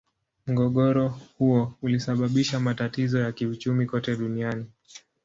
Mgogoro huo ulisababisha matatizo ya kiuchumi kote duniani.